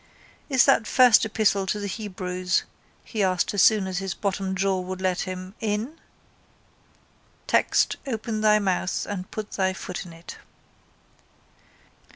—Is that first epistle to the Hebrews, he asked as soon as his bottom jaw would let him, in? Text: open thy mouth and put thy foot in it.